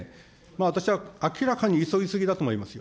私は明らかに急ぎすぎだと思いますよ。